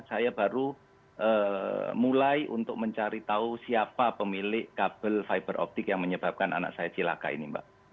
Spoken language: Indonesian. saya baru mulai untuk mencari tahu siapa pemilik kabel fiber optik yang menyebabkan anak saya cilaka ini mbak